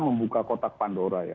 membuka kotak pandora ya